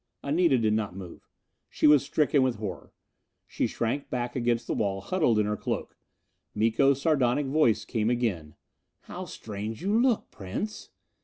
Anita did not move. She was stricken with horror: she shrank back against the wall, huddled in her cloak. Miko's sardonic voice came again: "How strange you look. Prince!"